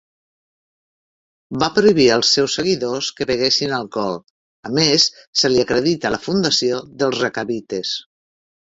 Va prohibir als seus seguidors que beguessin alcohol. A més, se li acredita la fundació dels recabites.